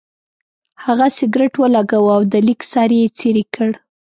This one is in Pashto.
هغه سګرټ ولګاوه او د لیک سر یې څېرې کړ.